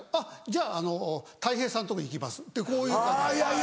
「じゃああのたい平さんのとこ行きます」ってこういう感じ。